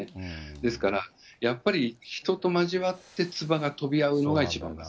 ですから、やっぱり人と交わってつばが飛び合うのが一番です。